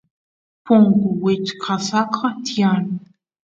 punku wichqasqa tiyan